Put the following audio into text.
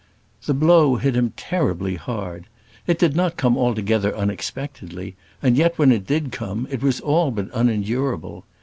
The blow hit him terribly hard. It did not come altogether unexpectedly, and yet, when it did come, it was all but unendurable.